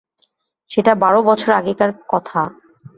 সেটা বার বছর আগেকার কথা।